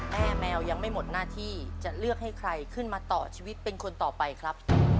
แมวยังไม่หมดหน้าที่จะเลือกให้ใครขึ้นมาต่อชีวิตเป็นคนต่อไปครับ